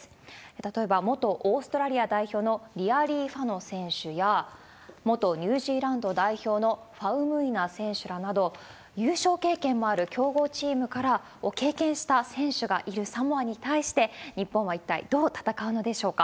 例えば、元オーストラリア代表のリアリーファノ選手や、元ニュージーランド代表のファウムイナ選手など、優勝経験もある強豪チームから、経験した選手がいるサモアに対して、日本はどう戦うのでしょうか。